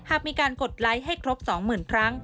หากมีการกดไลค์ให้ครบสองหมื่นครั้ง